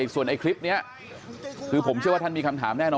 ส่วนไอ้คลิปนี้คือผมเชื่อว่าท่านมีคำถามแน่นอน